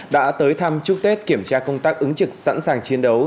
đã tới thăm chúc tết kiểm tra công tác ứng trực sẵn sàng chiến đấu